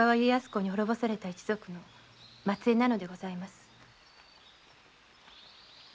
公に滅ぼされた一族の末裔なのでございます。